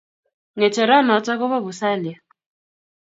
Ngecheranoto ko bo busalia